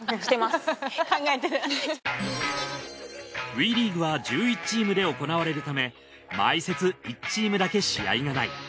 ＷＥリーグは１１チームで行われるため毎節１チームだけ試合がない。